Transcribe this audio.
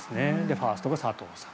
ファーストが佐藤さん。